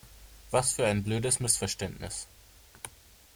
Was für ein blödes Missverständnis!